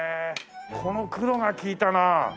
この黒が利いたなあ。